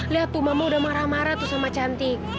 lihat tuh mama udah marah marah tuh sama cantik